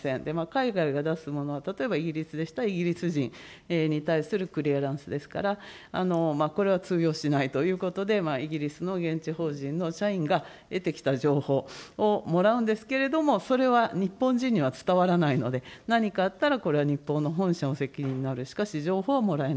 海外が出すものは、例えばイギリスでしたらイギリス人に対するクリアランスですから、これは通用しないということで、イギリスの現地法人の社員が得てきた情報をもらうんですけれども、それは日本人には伝わらないので、何かあったらこれは日本の本社の責任になる、しかし情報ももらえ